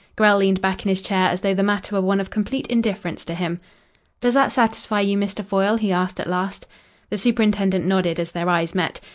Grell leaned back in his chair as though the matter were one of complete indifference to him. "Does that satisfy you, Mr. Foyle?" he asked at last. The superintendent nodded as their eyes met.